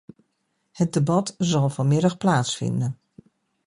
Het debat zal vanmiddag plaatsvinden.